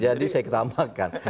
jadi saya ketamakan